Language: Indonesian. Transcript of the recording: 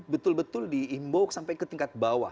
betul betul diimbau sampai ke tingkat bawah